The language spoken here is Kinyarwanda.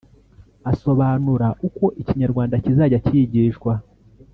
Asobanura uko Ikinyarwanda kizajya cyigishwa